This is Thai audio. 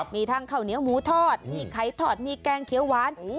มีทั้งข้าวเหนียวหมูทอดมีไข่ทอดมีแกงเขียวหวาน